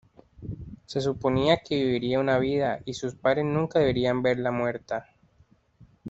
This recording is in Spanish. Se suponía que viviría una vida y sus padres nunca deberían verla muerta".